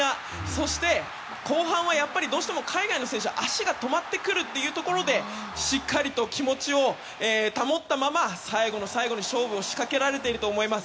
そして、後半は最後は足が止まってくるということでしっかりと気持ちを保ったまま最後の最後に勝負を仕掛けられていると思います。